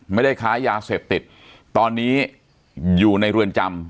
ไม่ได้ค้ายาเสพติดตอนนี้อยู่ในเรือนจำ